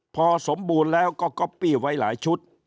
พอสมบูรณ์แล้วก็ก๊อปปี้ไว้หลายชุด